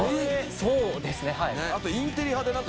そうですね。